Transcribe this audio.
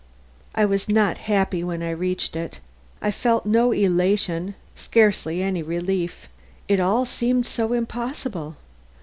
I was not happy when I reached it. I felt no elation; scarcely any relief. It all seemed so impossible.